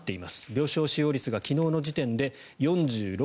病床使用率が昨日の時点で４６．１％。